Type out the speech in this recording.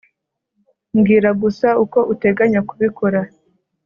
Mbwira gusa uko uteganya kubikora